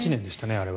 あれは。